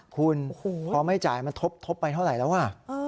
คุณพอไม่จ่ายมันทบไปเท่าไหร่แล้ว